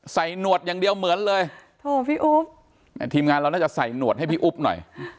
หนวดอย่างเดียวเหมือนเลยโถพี่อุ๊บทีมงานเราน่าจะใส่หนวดให้พี่อุ๊บหน่อย